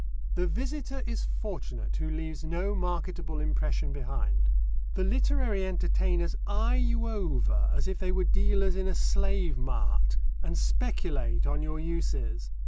The visitor is fortunate who leaves no marketable impression behind. The literary entertainers eye you over, as if they were dealers in a slave mart, and speculate on your uses.